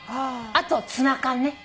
あとツナ缶ね。